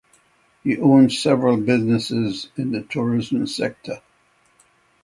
He owns several businesses in the tourism sector.